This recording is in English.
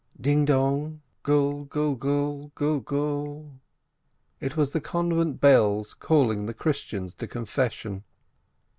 "Ding dong, gul gul gul gul gul gul !" It was the convent bells calling the Christians to con fession